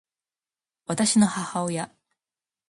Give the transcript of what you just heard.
私の母親